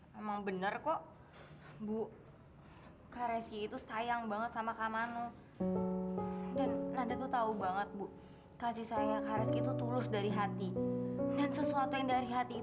sampai jumpa di video selanjutnya